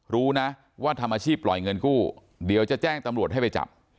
รู้นะว่าทำอาชีพปล่อยเงินกู้เดี๋ยวจะแจ้งตำรวจให้ไปจับ